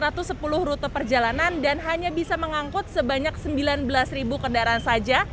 ini artinya hanya ada sebanyak sembilan puluh perjalanan dan hanya bisa mengangkut sebanyak sembilan belas ribu kendaraan saja